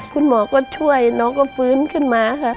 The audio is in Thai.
คุณหมอก็ช่วยน้องก็ฟื้นขึ้นมาค่ะ